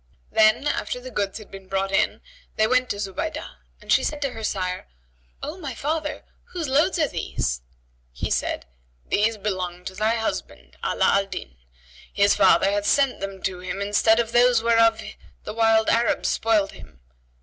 Then, after the goods had been brought in, they went to Zuhaydah and she said to her sire, "O my father, whose loads be these?" He said, "These belong to thy husband, Ala al Din: his father hath sent them to him instead of those whereof the wild Arabs spoiled him.